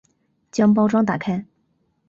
将包装打开